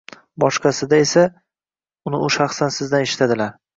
boshqasida esa, uni shaxsan sizdan eshitadilar.